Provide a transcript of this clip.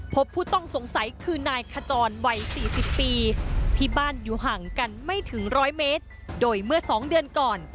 พบผู้ต้องสงสัยคือนายขจรวัย๔๐ปีที่บ้านอยู่ห่างกันไม่ถึงร้อยเมตรโดยเมื่อ๒เดือนก่อน